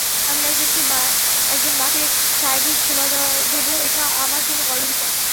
আমি একজন মাকে সার্বিক সেবা দেব, এটা আমরা জন্য গর্বের বিষয়।